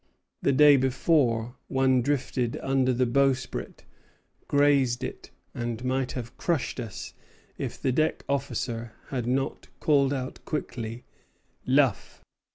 The day before, one drifted under the bowsprit, grazed it, and might have crushed us if the deck officer had not called out quickly, Luff.